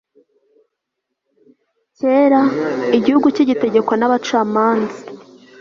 kera, igihugu kigitegekwa n'abacamanza